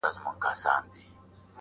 چي زما په لورې هغه سپينه جنگرکه راځې_